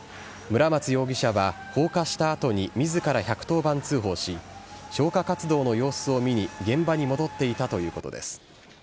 村松容疑者は放火したあとにみずから１１０番通報し、消火活動の様子を見に、現場に戻っていたということです。